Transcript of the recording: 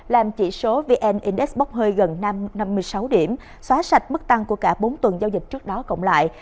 làm chỉ số vn index bốc hơi gần năm mươi sáu điểm xóa sạch mức tăng của cả bốn tuần giao dịch trước đó cộng lại